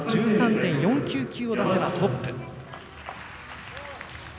１３．４９９を出せばトップ。